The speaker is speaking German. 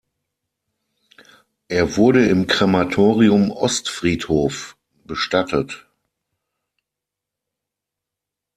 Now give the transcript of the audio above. Er wurde im Krematorium Ostfriedhof bestattet.